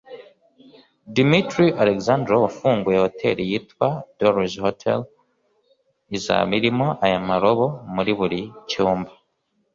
Dmitry Alexandro wafunguye hoteli yitwa Dolls Hotel izaba irimo aya marobo muri buri cyumba